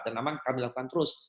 dan memang kami lakukan terus